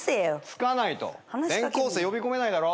着かないと転校生呼び込めないだろ。